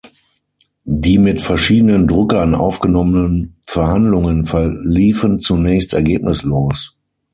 Die mit verschiedenen Druckern aufgenommenen Verhandlungen verliefen zunächst ergebnislos.